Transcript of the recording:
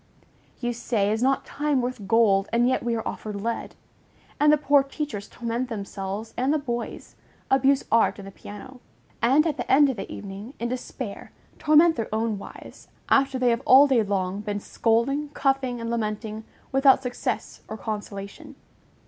You say, Is not time worth gold, and yet we are offered lead? And the poor teachers torment themselves and the boys, abuse art and the piano; and at the end of the evening, in despair, torment their own wives, after they have all day long been scolding, cuffing, and lamenting, without success or consolation.